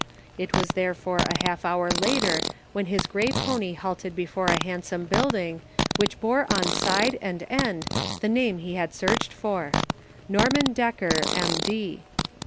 It was therefore a half hour later when his gray pony halted before a handsome building which bore on side and end the name he had searched for — "Norman Decker, M. D."